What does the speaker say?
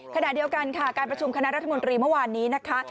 ขณะเดียวกันค่ะการประชุมคณะรัฐมนตรีเมื่อวานนี้นะคะ